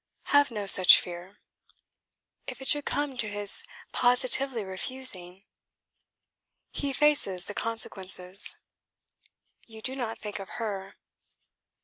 "Have no such fear." "If it should come to his positively refusing." "He faces the consequences." "You do not think of her."